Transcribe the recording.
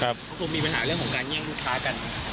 ก็คงมีปัญหาเรื่องของการแย่งลูกค้ากัน